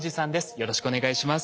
よろしくお願いします。